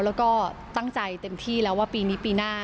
แล้วก็ตั้งใจเต็มที่แล้วว่าปีนี้ปีหน้า